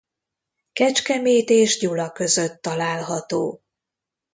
Kecskemét és Gyula között található.